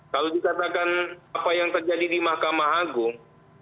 kalau dikatakan apa yang terjadi di mahkamah agung